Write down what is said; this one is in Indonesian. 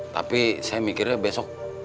tapi saya mikirnya besok